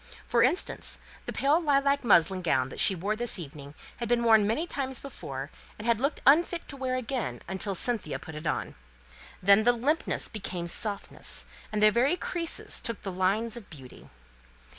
For instance, the pale lilac muslin gown she wore this evening had been worn many times before, and had looked unfit to wear again till Cynthia put it on. Then the limpness became softness, and the very creases took the lines of beauty.